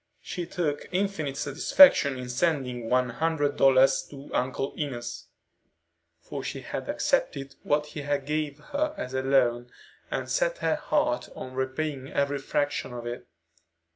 She took infinite satisfaction in sending one hundred dollars to Uncle Enos, for she had accepted what he gave her as a loan, and set her heart on repaying every fraction of it.